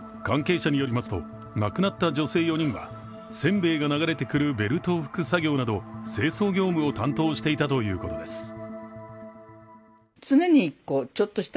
関係者によりますと亡くなった女性４人は煎餅が流れてくるベルトを拭く作業など清掃業務を担当していたということです。